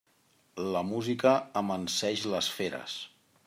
La música amanseix les feres.